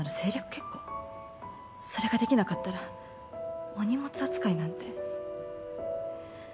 それができなかったらお荷物扱いなんて。